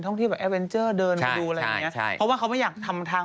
ของแบบนี้เฉพาะอยู่ที่สัธา